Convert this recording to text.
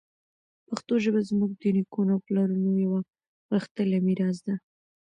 پښتو ژبه زموږ د نیکونو او پلارونو یوه غښتلې میراث ده.